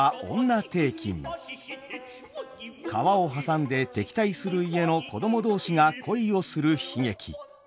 川を挟んで敵対する家の子供同士が恋をする悲劇。